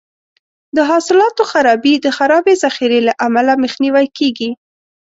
د حاصلاتو خرابي د خرابې ذخیرې له امله مخنیوی کیږي.